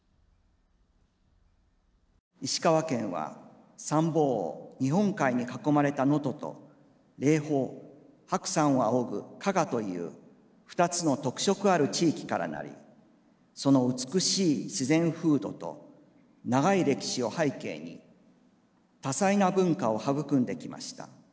石川県は三方を日本海に囲まれた能登と霊峰白山を仰ぐ加賀という二つの特色ある地域から成りその美しい自然風土と長い歴史を背景に多彩な文化を育んできました。